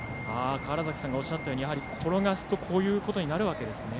川原崎さんがおっしゃったように転がすとこういうことになるわけですね。